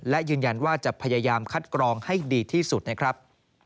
และยืนยันว่าจะพยายามคัดกรองให้ดีที่สุดนะครับ